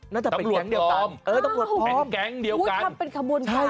น่าจะเป็นแก๊งเดียวกันเออตำรวจเป็นแก๊งเดียวกันทำเป็นขบวนการ